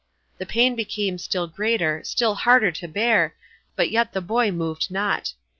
The pain became still greater, still harder to bear, but yet the boy moved not.